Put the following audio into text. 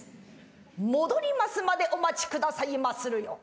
「戻りますまでお待ちくださいまするよう」。